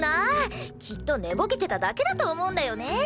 きっと寝ぼけてただけだと思うんだよね。